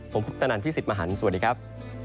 ผมคุปตนันพี่สิทธิ์มหันฯสวัสดีครับ